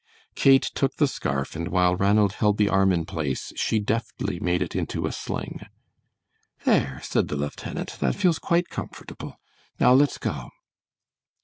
Kate took the scarf, and while Ranald held the arm in place she deftly made it into a sling. "There," said the lieutenant, "that feels quite comfortable. Now let's go."